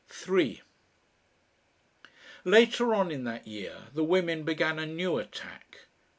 3 Later on in that year the women began a new attack.